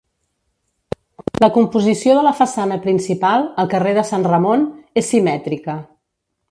La composició de la façana principal, al carrer de Sant Ramon, és simètrica.